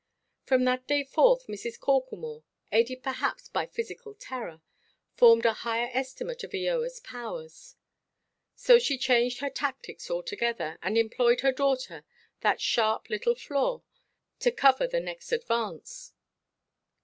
From that day forth, Mrs. Corklemore (aided perhaps by physical terror) formed a higher estimate of Eoaʼs powers. So she changed her tactics altogether, and employed her daughter, that sharp little Flore, to cover the next advance.